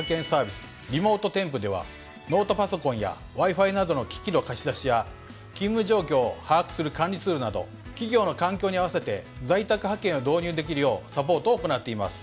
「りもーとテンプ」ではノートパソコンやＷｉ−Ｆｉなどの機器の貸し出しや勤務状況を把握する管理ツールなど企業の環境に合わせて在宅派遣を導入できるようサポートを行っています。